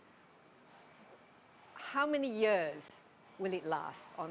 berapa lama jauh akan berjalan di jalan